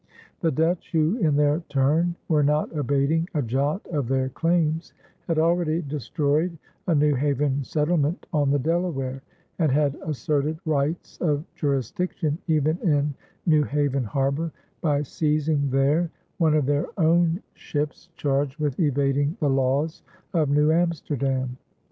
The Dutch, who in their turn were not abating a jot of their claims, had already destroyed a New Haven settlement on the Delaware, and had asserted rights of jurisdiction even in New Haven harbor, by seizing there one of their own ships charged with evading the laws of New Amsterdam.